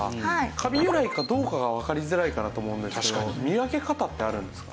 カビ由来かどうかがわかりづらいかなと思うんですけど見分け方ってあるんですか？